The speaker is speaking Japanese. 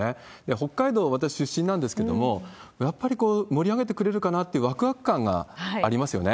北海道、私、出身なんですけれども、やっぱり盛り上げてくれるかなっていうわくわく感がありますよね。